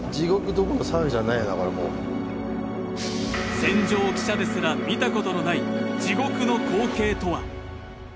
戦場記者ですら見たことのない地獄の光景とは？